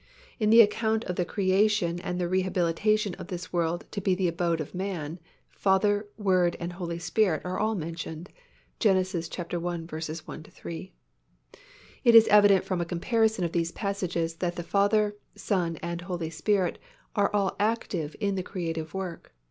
In the account of the creation and the rehabilitation of this world to be the abode of man, Father, Word and Holy Spirit are all mentioned (Gen. i. 1 3). It is evident from a comparison of these passages that the Father, Son and Holy Spirit are all active in the creative work.